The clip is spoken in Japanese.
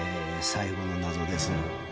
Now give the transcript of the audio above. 最後の謎です。